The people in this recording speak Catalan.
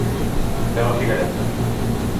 Fer la figuereta.